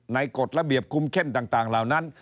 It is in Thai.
กฎระเบียบคุมเข้มต่างเหล่านั้น